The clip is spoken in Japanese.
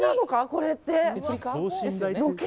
これって。